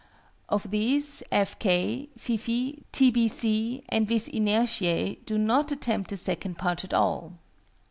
Of these, F. K., FIFEE, T. B. C., and VIS INERTIÆ do not attempt the second part at all.